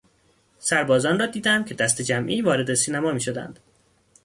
سربازان را دیدم که دسته جمعی وارد سینما میشدند.